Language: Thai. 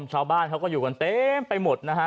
ชาวบ้านเขาก็อยู่กันเต็มไปหมดนะฮะ